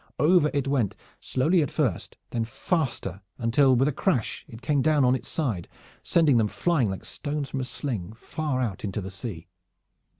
Over it went, slowly at first, then faster, until with a crash it came down on its side, sending them flying like stones from a sling far out into the sea.